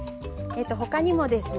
他にもですね